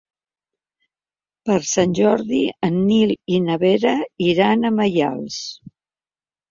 Per Sant Jordi en Nil i na Vera iran a Maials.